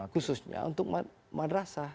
khususnya untuk madrasah